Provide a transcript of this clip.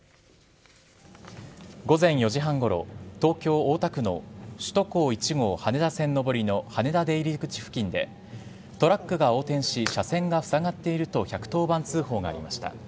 午前４時半ごろ、東京・大田区の首都高１号羽田線上りの羽田出入口付近で、トラックが横転し車線が塞がっていると１１０番通報がありました。